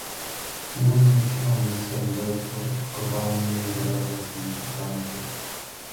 Původním cílem mise bylo vytvořit globální radarové snímky planety.